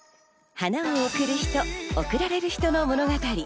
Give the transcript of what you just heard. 花を贈る人、贈られる人の物語。